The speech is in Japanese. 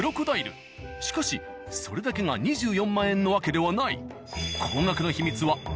しかしそれだけが２４万円の訳ではない。